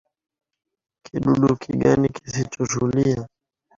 Kidudu kigani kisichotulia.